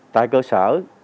tại cơ sở